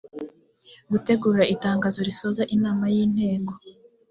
gutegura itangazo risoza inamay inteko